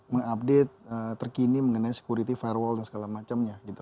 mengupdate terkini mengenai security firewall dan segala macamnya